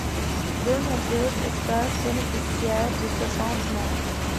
De nombreuses espèces bénéficièrent de ce changement.